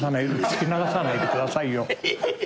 流さないでくださいよ。